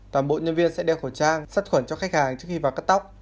toàn bộ nhân viên sẽ đeo khẩu trang sắt khuẩn cho khách hàng trước khi vào cắt tóc